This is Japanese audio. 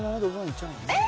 えっ？